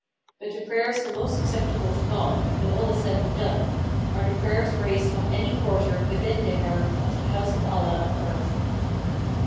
But the prayers the most acceptable to God, when all is said and done, are the prayers raised from any quar ter within the harem of the House of Allah on earth.